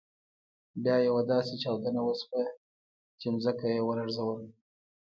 بیا یوه داسې چاودنه وشول چې ځمکه يې ولړزول.